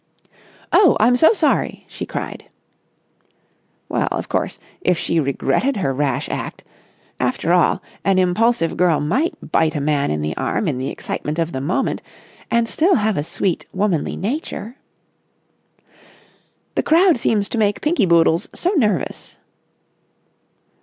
"Oh, I'm so sorry!" she cried. Well, of course, if she regretted her rash act.... After all, an impulsive girl might bite a man in the arm in the excitement of the moment and still have a sweet, womanly nature.... "The crowd seems to make Pinky Boodles so nervous."